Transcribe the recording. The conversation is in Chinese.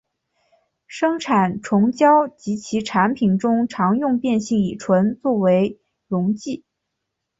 生产虫胶及其产品中常用变性乙醇作为溶剂。